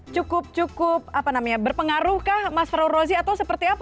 cukup cukup berpengaruhkah mas fro rozi atau seperti apa